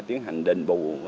tiến hành đền bù